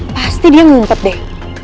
pasti dia ngumpet deh